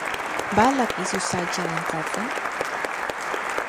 Ba al dakizu saltsa dantzatzen?